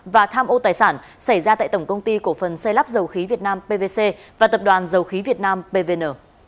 và tham ô tài sản xảy ra tại tổng công ty cổ phần xây lắp dầu khí việt nam pvc và tập đoàn dầu khí việt nam pvn